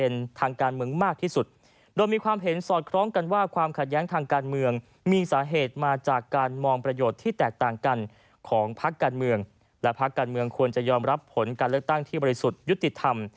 จะยอมรับผลการเลือกตั้งที่บริสุทธิ์ยุติธรรม